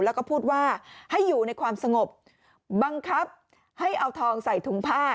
แล้วก็พูดว่าให้อยู่ในความสงบบังคับให้เอาทองใส่ถุงผ้า